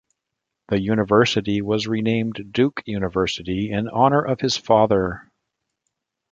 The University was renamed Duke University in honor of his father.